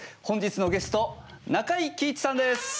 本日のゲスト中井貴一さんです！